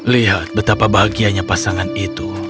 lihat betapa bahagianya pasangan itu